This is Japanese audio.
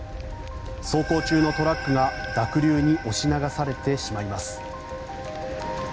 走行中のトラックが濁流に押し流されてしまいます。